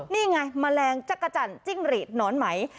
นี่ไงแมลงจักรจันทร์จิ้งหรีดหนอนไหม